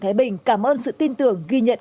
thái bình cảm ơn sự tin tưởng ghi nhận